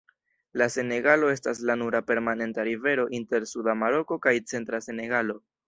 La Senegalo estas la nura permanenta rivero inter suda Maroko kaj centra Senegalo.